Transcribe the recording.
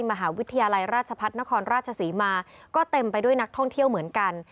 มหาวิทยาลัยราชพัฒนครราชศรีมาก็เต็มไปด้วยนักท่องเที่ยวเหมือนกัน